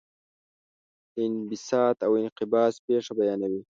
د انبساط او انقباض پېښه بیانوي.